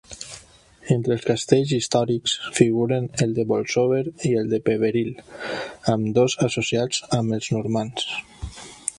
Entre els castells històrics figuren el de Bolsover i el de Peveril, ambdós associats amb els normands.